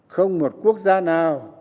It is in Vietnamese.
không một quốc gia nào